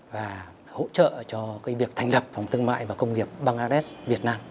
và hỗ trợ cho việc thành lập phòng thương mại và công nghiệp bằng rs việt nam